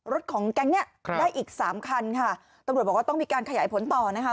รถของกางแน่นี้ได้อีก๓คันค่ะตรวจบอกว่าต้องมีการขยายผลต่อนะคะ